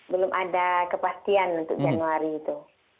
belum ada kepastian untuk januari itu